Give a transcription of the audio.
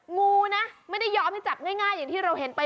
งูนะไม่ได้ยอมให้จับง่ายอย่างที่เราเห็นไป